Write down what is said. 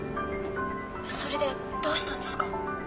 それでどうしたんですか？